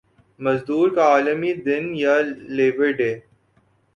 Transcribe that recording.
مزدور کا عالمی دن یا لیبر ڈے